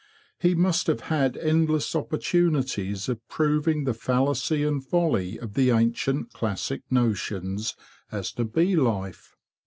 He must have had endless oppor tunities of proving the fallacy and folly of the ancient classic notions as to bee life.